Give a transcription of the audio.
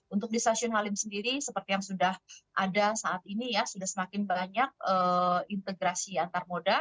untuk di stasiun halim sendiri seperti yang sudah ada saat ini ya sudah semakin banyak integrasi antar moda